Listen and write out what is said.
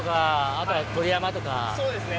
そうですね。